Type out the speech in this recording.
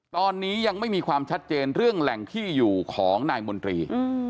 ตอนนี้ยังไม่มีความชัดเจนเรื่องแหล่งที่อยู่ของนายมนตรี